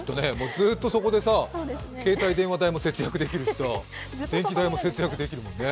ずっとそこでさ、携帯電話代も節約できるしさ、電気代も節約できるもんね。